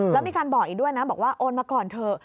แล้วมีการบอกอีกด้วยนะบอกว่าโอนมาก่อนเถอะ